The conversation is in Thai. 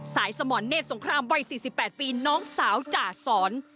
สมรเนธสงครามวัย๔๘ปีน้องสาวจ่าสอน